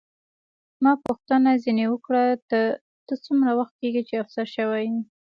ما پوښتنه ځیني وکړه، ته څومره وخت کېږي چې افسر شوې یې؟